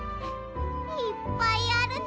いっぱいあるな。